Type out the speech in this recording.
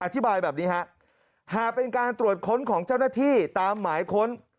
อธิบายแบบนี้ฮะหากเป็นการตรวจค้นของเจ้าหน้าที่ตามหมายค้น